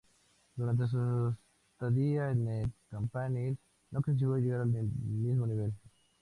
Durante su estadía en el "Campanil" no consiguió llegar al mismo nivel.